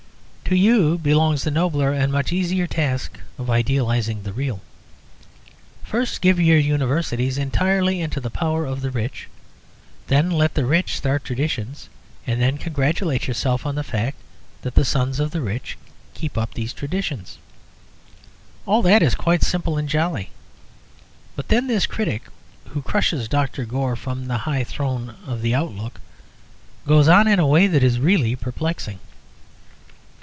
To you belongs the nobler (and much easier) task of idealising the real. First give your Universities entirely into the power of the rich; then let the rich start traditions; and then congratulate yourselves on the fact that the sons of the rich keep up these traditions. All that is quite simple and jolly. But then this critic, who crushes Dr. Gore from the high throne of the Outlook, goes on in a way that is really perplexing.